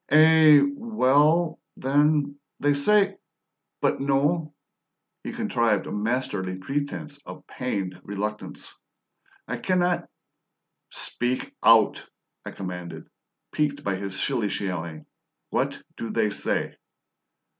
"Eh, well, then, they say but no!" He contrived a masterly pretense of pained reluctance. "I cannot " "Speak out," I commanded, piqued by his shilly shallying. "What do they say?"